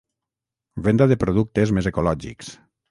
Venda de productes més ecològics.